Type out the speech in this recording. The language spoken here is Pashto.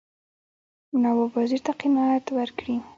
نواب وزیر ته قناعت ورکړي.